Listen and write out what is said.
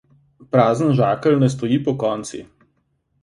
Prazen žakelj ne stoji pokonci.